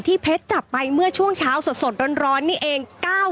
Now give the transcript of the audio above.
เพชรจับไปเมื่อช่วงเช้าสดร้อนนี่เอง